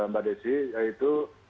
mbak desi yaitu